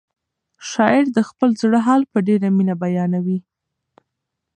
شاعر د خپل زړه حال په ډېره مینه بیانوي.